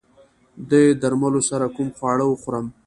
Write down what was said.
دې درملو سره کوم خواړه وخورم؟